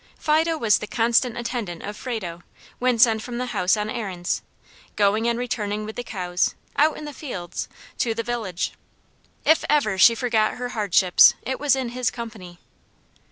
Fido was the constant attendant of Frado, when sent from the house on errands, going and returning with the cows, out in the fields, to the village. If ever she forgot her hardships it was in his company.